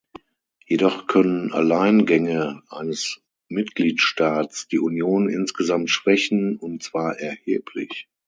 Jedoch können Alleingänge eines Mitgliedstaats die Union insgesamt schwächen, und zwar erheblich.